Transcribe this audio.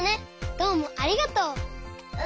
どうもありがとう。